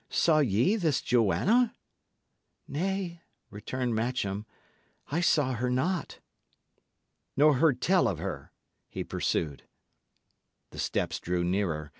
Saw ye this Joanna?" "Nay," returned Matcham, "I saw her not." "Nor heard tell of her?" he pursued. The steps drew nearer.